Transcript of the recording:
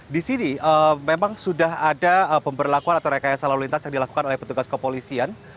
di sini memang sudah ada pemberlakuan atau rekayasa lalu lintas yang dilakukan oleh petugas kepolisian